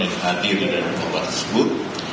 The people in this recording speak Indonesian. yang diperbolehkan oleh mnc group